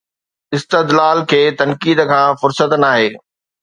استدلال کي تنقيد کان فرصت ناهي